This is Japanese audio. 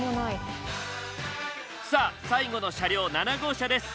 さあ最後の車両７号車です。